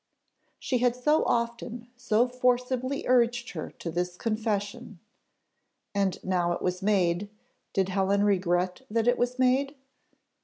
She had so often so forcibly urged her to this confession! and now it was made, did Helen regret that it was made?